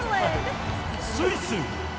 スイス。